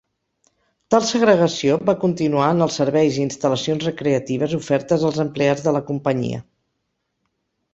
Tal segregació va continuar en els serveis i instal·lacions recreatives ofertes als empleats de la companyia.